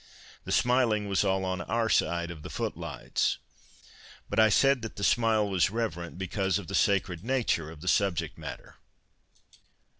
The smiling was all on our side of the footlights. But I said that the smile was " reverent,'' because of the sacred nature of the subject matter.